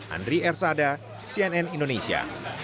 andri ersada cnn indonesia